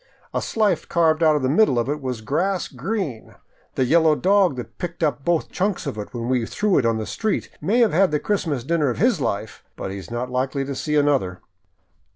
A slice carved out of the middle of it was grass green. The yellow dog that picked up both chunks of it when we threw it into the street may have had the Christmas dinner of his life, but he is not likely to see another."